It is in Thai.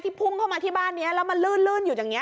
พุ่งเข้ามาที่บ้านนี้แล้วมันลื่นอยู่อย่างนี้